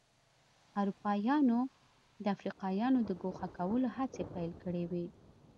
اروپایانو د افریقایانو د ګوښه کولو هڅې پیل کړې وې.